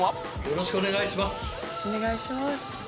よろしくお願いします。